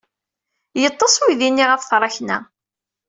Yeḍḍes uydi-nni ɣef tṛakna.